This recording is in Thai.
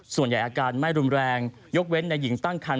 อาการไม่รุนแรงยกเว้นในหญิงตั้งคัน